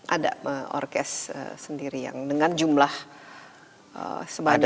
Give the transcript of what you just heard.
ada orkest sendiri yang dengan jumlah sebanyak yang ada di bandung